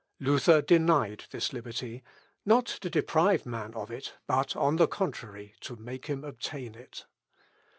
Luther denied this liberty, not to deprive man of it, but, on the contrary, to make him obtain it.